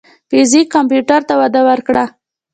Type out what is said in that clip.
فزیک کمپیوټر ته وده ورکړه.